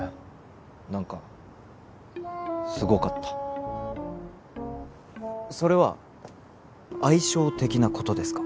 何かすごかったそれは相性的なことですか？